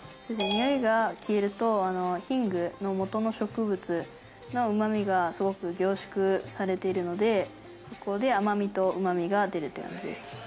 においが消えるとヒングのもとの植物のうまみがすごく凝縮されているのでそこで甘みとうまみが出るって感じです。